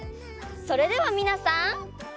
それではみなさん。